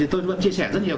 tôi vẫn chia sẻ rất nhiều